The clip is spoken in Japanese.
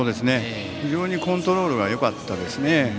非常にコントロールがよかったですね。